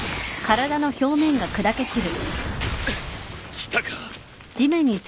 来たか。